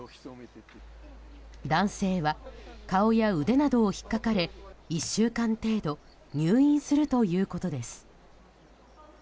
男性は顔や腕などを引っかかれ１週間程度入院するということです。